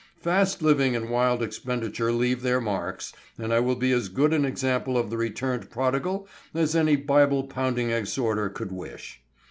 Fast living and wild expenditure leave their marks, and I will be as good an example of the returned prodigal as any Bible pounding exhorter could wish.